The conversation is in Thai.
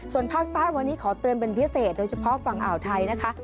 ส่วนภาคใต้วันนี้ขอเตือนเป็นพิเศษโดยเฉพาะฝั่งอ่าวไทยนะคะ